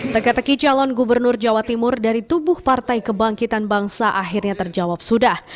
teka teki calon gubernur jawa timur dari tubuh partai kebangkitan bangsa akhirnya terjawab sudah